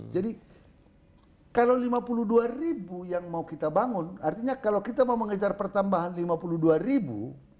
jadi kalau lima puluh dua ribu yang mau kita bangun artinya kalau kita mau mengejar pertambahan lima puluh dua ribu